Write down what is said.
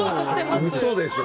うそでしょう。